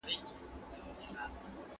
دښت یې میوند نه لري غرونه یې خیبر نه لري